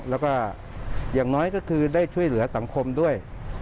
แล้วก็อย่างน้อยก็คือได้ช่วยเหลือสังคมด้วย